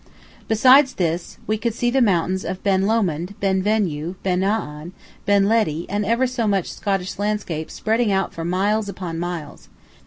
Besides this, we could see the mountains of Ben Lomond, Ben Venue, Ben A'an, Benledi, and ever so much Scottish landscape spreading out for miles upon miles.